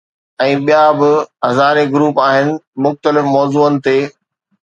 ۽ ٻيا به هزارين گروپ آهن مختلف موضوعن تي.